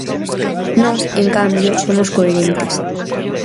Nós, en cambio, somos coherentes.